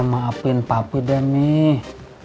maafin papi deh nih